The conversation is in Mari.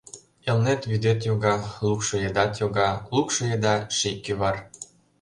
Элнет вӱдет йога, Лукшо едат йога, Лукшо еда — ший кӱвар.